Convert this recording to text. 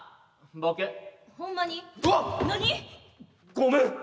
ごめん！